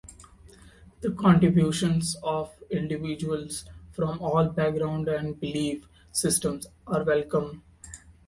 The contributions of individuals from all backgrounds and belief systems are welcome.